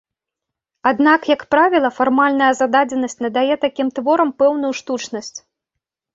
Аднак, як правіла, фармальная зададзенасць надае такім творам пэўную штучнасць.